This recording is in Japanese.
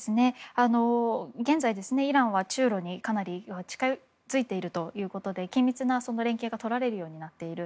現在、イランは中国にかなり近付いているということで緊密な連携がとられるようになっている。